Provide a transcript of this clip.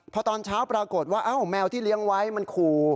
พอตอนเช้าปรากฏว่าแมวที่เลี้ยงไว้มันขู่